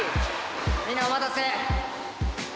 みんなお待たせ。